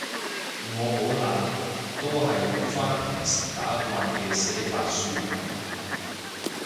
我好懶，都係用返平時打慣嘅寫法算